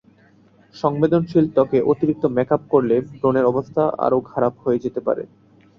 সংবেদনশীল ত্বকে অতিরিক্ত মেকআপ করলে ব্রণের অবস্থা আরও খারাপ হয়ে যেতে পারে।